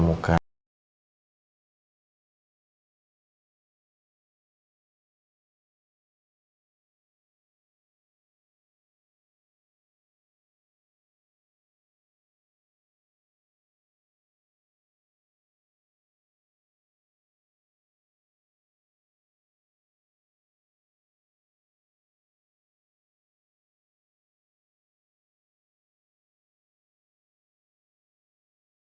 mohon maaf pak saya periksa dulu ya